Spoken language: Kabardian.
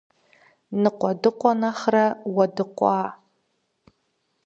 Ныкъуэдыкъуэ нэхърэ уэдыкъуа.